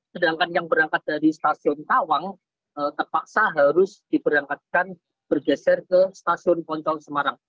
sedangkan yang berangkat dari stasiun tawang terpaksa harus diberangkatkan bergeser ke stasiun poncol semarang